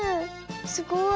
すごい。